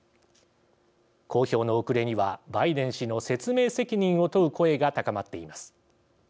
公表の遅れには、バイデン氏の説明責任を問う声が高まっています。